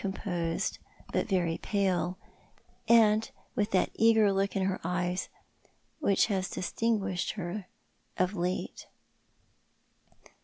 composed, but very pale, and with tliat eager look in her eyes ■which has distinguished her of late.